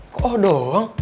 kok oh doang